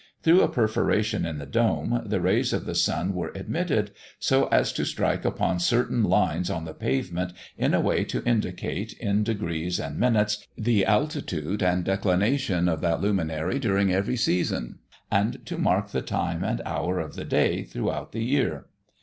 Through a perforation in the dome, the rays of the sun were admitted, so as to strike upon certain lines on the pavement in a way to indicate, in degrees and minutes, the altitude and declination of that luminary during every season, and to mark the time and hour of the day throughout the year.